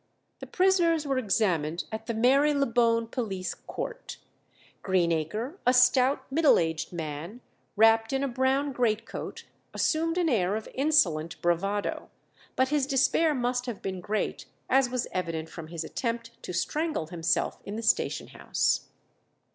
The prisoners were examined at the Marylebone police court. Greenacre, a stout, middle aged man, wrapped in a brown greatcoat, assumed an air of insolent bravado; but his despair must have been great, as was evident from his attempt to strangle himself in the station house.